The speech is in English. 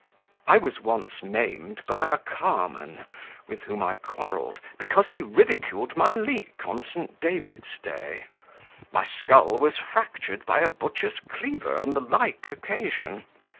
"I was once maimed by a carman, with whom I quarrelled, because he ridiculed my leek on St. David's day; my skull was fractured by a butcher's cleaver on the like occasion.